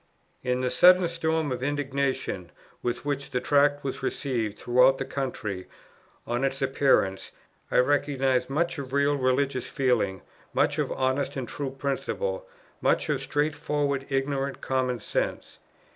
In the sudden storm of indignation with which the Tract was received throughout the country on its appearance, I recognize much of real religious feeling, much of honest and true principle, much of straightforward ignorant common sense.